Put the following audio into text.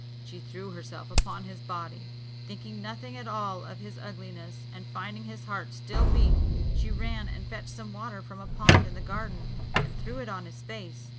She threw herself upon his body, thinking nothing at all of his ugliness; and finding his heart still beat, she ran and fetched some water from a pond in the garden, and threw it on his face.